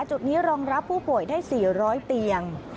จุดนี้รองรับผู้ป่วยได้๔๐๐เตียง